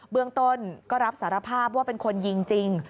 เบื้องต้นก็รับสารภาพว่าเป็นคนยิงจริง